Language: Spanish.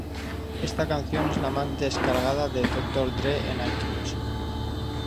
Esta canción es la más descargada de Dr. Dre en iTunes.